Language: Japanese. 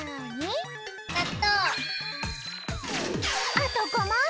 あと５もん！